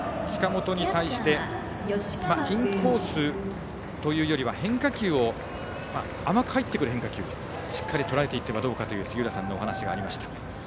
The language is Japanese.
塚本に対してインコースというよりは甘く入ってくる変化球しっかりとらえていってはどうかという杉浦さんのお話がありました。